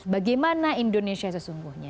bagaimana indonesia sesungguhnya